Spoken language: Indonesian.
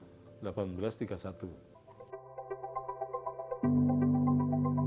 di mana ada beberapa kabupaten yang berada di bawah temenggung